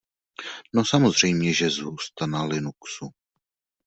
No samozřejmě, že zhusta na Linuxu.